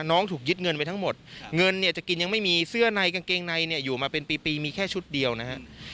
น้องถูกยึดเงินไปทั้งหมดเงินเนี่ยจะกินยังไม่มีเสื้อในกางเกงในเนี่ยอยู่มาเป็นปีมีแค่ชุดเดียวนะฮะ